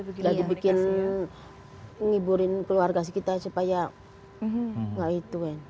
jadi dibikin ngiburin keluarga kita supaya enggak itu